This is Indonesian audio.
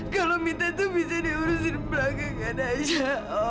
kalau minta tuh bisa diurusin belakangannya aja om